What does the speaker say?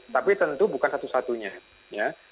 tapi tentu bukan satu satunya ya